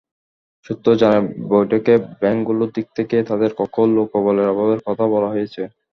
সূত্র জানায়, বৈঠকে ব্যাংকগুলোর দিক থেকে তাদের দক্ষ লোকবলের অভাবের কথা বলা হয়েছে।